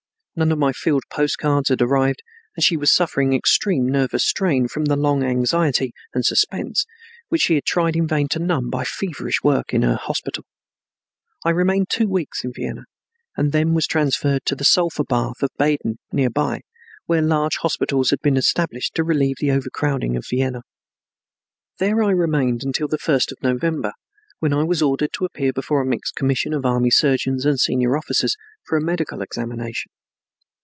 None of my field postcards had arrived and she was suffering extreme nervous strain from the long anxiety and suspense, which she had tried in vain to numb by feverish work in her hospital. I remained two weeks in Vienna and then was transferred to the sulphur bath of Baden near by, where large hospitals had been established to relieve the overcrowding of Vienna. There I remained until the first of November when I was ordered to appear before a mixed commission of army surgeons and senior officers, for a medical examination.